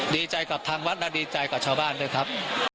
ดีใจกับทางวัดและดีใจกับชาวบ้านด้วยครับ